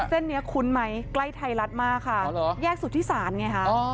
เส้นนี้คุ้นไหมใกล้ไทยรัฐมากค่ะอ๋อเหรอแยกสุดที่ศาลไงฮะอ๋อ